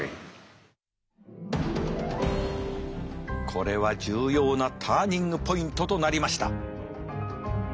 これは重要なターニングポイントとなりました。